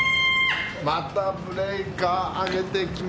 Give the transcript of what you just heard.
またブレーカー上げてきます。